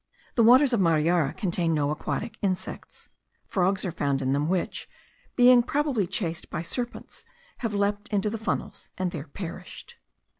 The waters of Mariara contain no aquatic insects. Frogs are found in them, which, being probably chased by serpents, have leaped into the funnels, and there perished.